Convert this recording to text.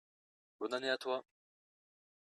bonne année à toi.